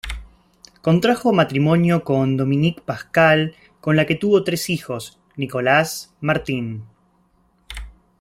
Contrajo matrimonio con Dominique Pascal con la que tuvo tres hijos: Nicolás, Martín.